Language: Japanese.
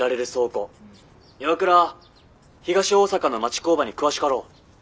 岩倉東大阪の町工場に詳しかろう？